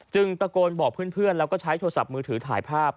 ตะโกนบอกเพื่อนแล้วก็ใช้โทรศัพท์มือถือถ่ายภาพ